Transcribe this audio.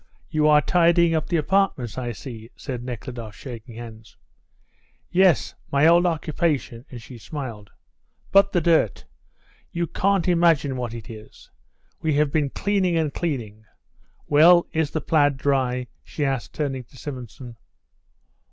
"You are tidying up the apartments, I see," said Nekhludoff, shaking hands. "Yes; my old occupation," and she smiled. "But the dirt! You can't imagine what it is. We have been cleaning and cleaning. Well, is the plaid dry?" she asked, turning to Simonson.